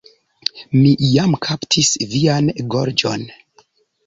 Mi jam kaptis vian gorĝon.